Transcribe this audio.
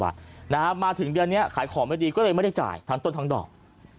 ทั้งตลาดก็เลยดูดูคาดิ